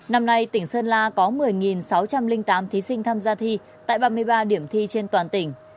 năm nay tỉnh sơn la có một mươi sáu trăm linh tám thí sinh tham gia thi tại ba mươi ba điểm thi trên toàn tỉnh